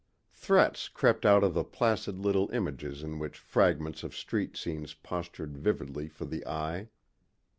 Threats crept out of the placid little images in which fragments of street scenes postured vividly for the eye.